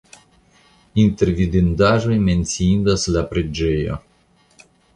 Inter vidindaĵoj menciindas la preĝejo.